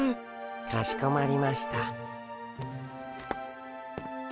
かしこまりました。